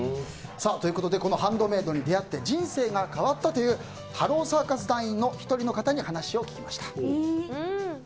このハンドメイドに出会い人生が変わったというハローサーカス団員の１人の方に話を聞きました。